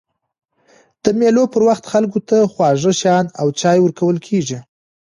د مېلو پر وخت خلکو ته خواږه شيان او چای ورکول کېږي.